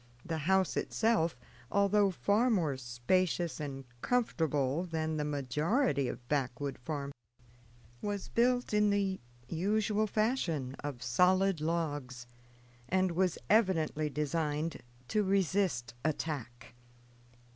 The house itself, although far more spacious and comfortable than the majority of backwood farmhouses, was built in the usual fashion, of solid logs, and was evidently designed to resist attack.